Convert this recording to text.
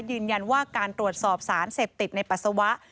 ยืนยันว่าการตรวจสอบสารเสพติดในปัสสาวะ